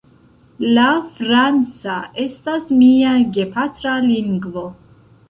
La franca estas mia gepatra lingvo.